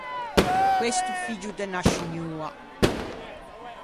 Questo figgio de unna scignoa.